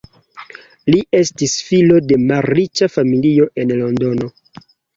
Li estis filo de malriĉa familio en Londono.